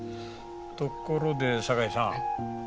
ところで堺さん。